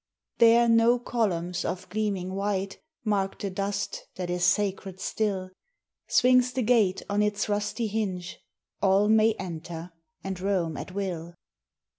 There no columns of gleaming white Mark the dust that is sacred still; Swings the gate on its rusty hinge All may enter and roam at will.